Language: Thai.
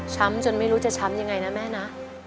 จนไม่รู้จะช้ำยังไงนะแม่นะ